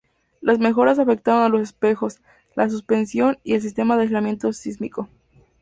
Las mejoras afectaron a los espejos, la suspensión y el sistema de aislamiento sísmico.